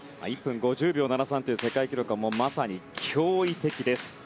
１分５０秒７３という世界記録はまさに驚異的です。